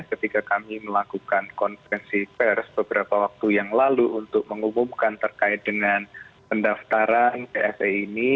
ketika kami melakukan konferensi pers beberapa waktu yang lalu untuk mengumumkan terkait dengan pendaftaran pse ini